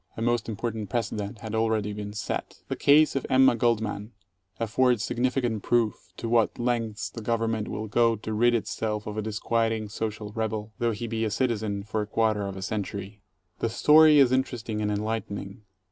A most important precedent had already been set. The case of Emma Goldman affords significant proof to what lengths the 19 Government will go to rid itself of a disquieting social rebel, though he be a citizen for a quarter of a century. The story is interesting and enlightening.